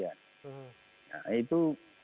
karena saya melihat di rumah sakit itu